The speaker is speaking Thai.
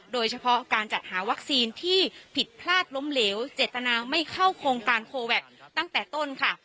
โดยเฉพาะการจัดหาวัคซีนที่ผิดพลาดล้มเหลวเจตนาไม่เข้าโครงการโคแวคตั้งแต่ต้นค่ะ